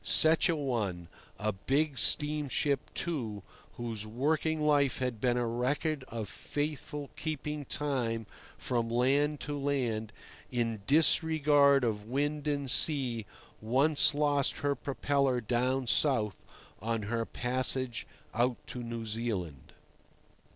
Such a one, a big steamship, too, whose working life had been a record of faithful keeping time from land to land, in disregard of wind and sea, once lost her propeller down south, on her passage out to New Zealand.